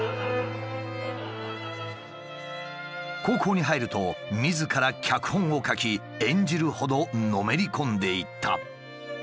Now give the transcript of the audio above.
高校に入るとみずから脚本を書き演じるほどのめり込んでいった。